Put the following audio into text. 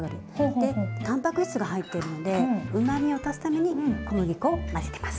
でたんぱく質が入っているのでうまみを足すために小麦粉を混ぜてます。